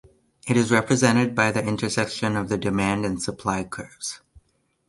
It is represented by the intersection of the demand and supply curves.